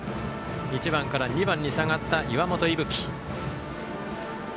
１番から２番に下がった岩本聖冬生。